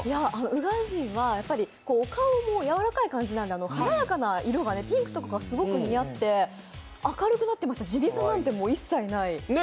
宇賀神はお顔もやわらかい感じなんで華やかな色、ピンクとかがすごい似合って明るくなってました、地味さなんて、もう一切ない。